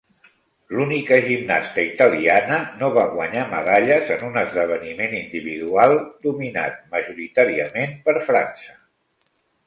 L'única gimnasta italiana no va guanyar medalles en un esdeveniment individual dominat majoritàriament per França.